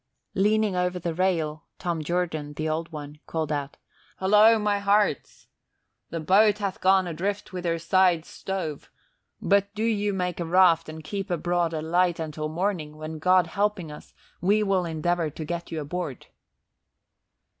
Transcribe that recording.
Leaning over the rail, Tom Jordan, the Old One, called out, "Holla, my hearts! The boat hath gone adrift with her sides stove; but do you make a raft and keep abroad a light until morning, when God helping us, we will endeavor to get you aboard."